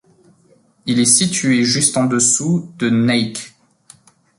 Il est situé juste en dessous de Naik.